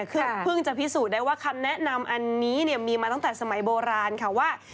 คือเพิ่งจะพิสูจน์ได้ว่าคำแนะนำอันนี้มีมาตั้งแต่สมัยโบราณค่ะว่า